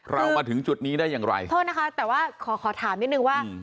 เรามาถึงจุดนี้ได้ยังไงโทษนะคะแต่ว่าขอถามนิดหนึ่งว่า